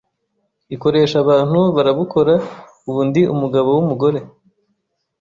ikoresh abantu barabukora ubu ndi umugabo w’umugore